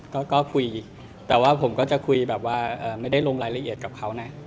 ก็คุยแต่ว่าผมก็จะคุยแบบว่าไม่ได้ลงรายละเอียดกับเขานะ